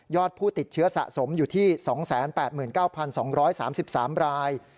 ผู้ติดเชื้อสะสมอยู่ที่๒๘๙๒๓๓ราย